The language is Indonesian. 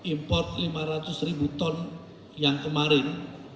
import lima ratus ribu ton yang kemarin